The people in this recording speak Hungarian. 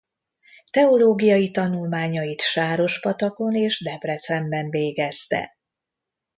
Teológiai tanulmányait Sárospatakon és Debrecenben végezte.